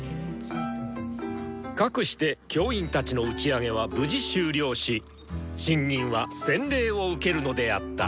かくして教員たちの打ち上げは無事終了し新任は洗礼を受けるのであった。